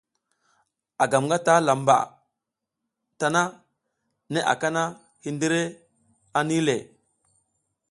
A gam ngataƞʼha lamba tana, neʼe aka na, hindire nih le.